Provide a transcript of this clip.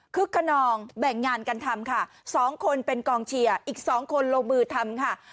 คนนองแบ่งงานกันทำค่ะสองคนเป็นกองเชียร์อีก๒คนลงมือทำค่ะ